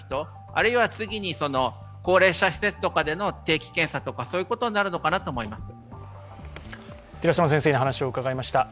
あるいは次に、高齢者施設とかでの定期検査とかそういうことになるのかなと思います。